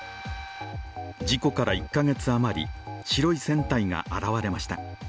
事故から１カ月あまり、白い船体が現れました。